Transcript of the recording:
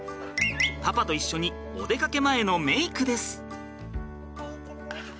パパと一緒にお出かけ前のメイクです。